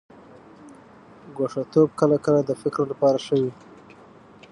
ګوښه توب کله کله د فکر لپاره ښه وي.